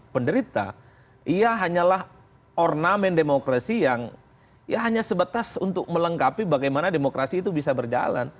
penderita ia hanyalah ornamen demokrasi yang ya hanya sebatas untuk melengkapi bagaimana demokrasi itu bisa berjalan